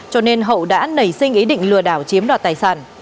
cho nên hậu đã nảy sinh ý định lừa đảo chiếm đoạt tài sản